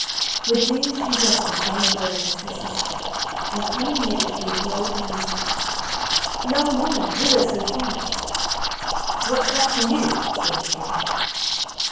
With these she went the same road as her sister; and coming near the cave, the old man said: "Young woman, whither so fast?" "What's that to you?" said she.